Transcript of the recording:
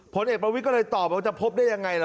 พลเอกประวิทย์ก็เลยตอบต้องจะพบได้อย่างไรหรอ